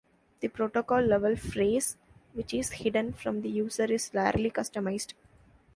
The protocol level phrase, which is hidden from the user, is rarely customized.